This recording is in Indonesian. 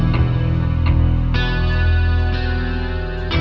untuk mencapai kemampuan